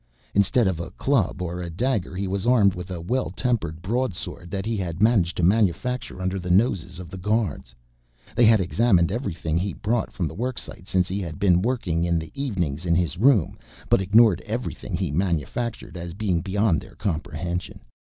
Instead of a club or a dagger he was armed with a well tempered broadsword that he had managed to manufacture under the noses of the guards. They had examined everything he brought from the worksite, since he had been working in the evenings in his room, but ignored everything he manufactured as being beyond their comprehension.